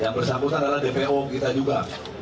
yang bersangkutan adalah dpo kita juga